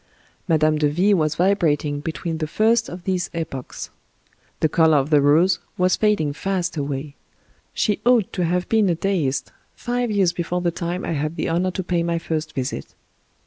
Mme. de V was vibrating between the first of these epochs; the color of the rose was fading fast away; she ought to have been a deist five years before the time I had the honor to pay my first visit.